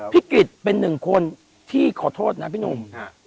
กริจเป็นหนึ่งคนที่ขอโทษนะพี่หนุ่ม